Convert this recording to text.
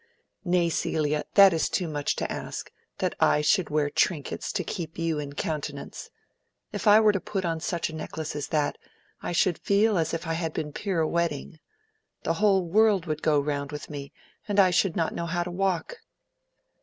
"Nay, Celia, that is too much to ask, that I should wear trinkets to keep you in countenance. If I were to put on such a necklace as that, I should feel as if I had been pirouetting. The world would go round with me, and I should not know how to walk."